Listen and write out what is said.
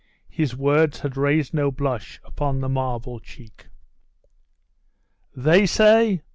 His words had raised no blush upon the marble cheek. 'They say!